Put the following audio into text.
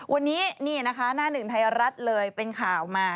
วันนี้นี่นะคะหน้าหนึ่งไทยรัฐเลยเป็นข่าวมา